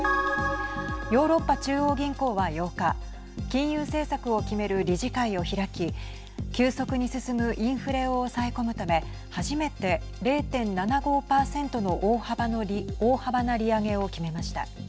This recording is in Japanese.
ヨーロッパ中央銀行は、８日金融政策を決める理事会を開き急速に進むインフレを抑え込むため初めて、０．７５％の大幅な利上げを決めました。